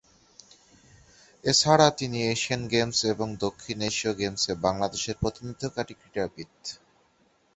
এছাড়া তিনি Asian games এবং দক্ষিণ এশীয় গেমসে বাংলাদেশের প্রতিনিধিত্বকারী ক্রীড়াবিদ।